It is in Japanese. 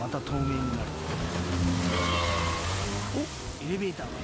エレベーターがある。